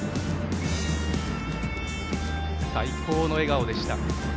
最高の笑顔でした。